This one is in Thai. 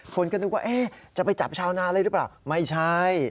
คนก็นึกว่าจะไปจับชาวนาอะไรหรือเปล่าไม่ใช่